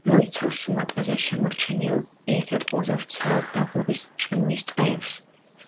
მოიცავს სუმატრაზე შემორჩენილ ერთ–ერთ ყველაზე ვრცელ დაბლობის წვიმის ტყეებს.